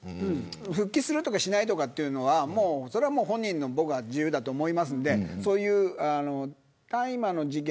復帰するとかしないとかっていうのは本人の自由だと思いますのでそういう大麻の事件